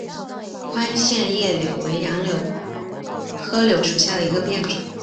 宽线叶柳为杨柳科柳属下的一个变种。